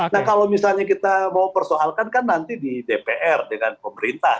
nah kalau misalnya kita mau persoalkan kan nanti di dpr dengan pemerintah